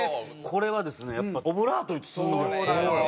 これはですねやっぱオブラートに包んであって。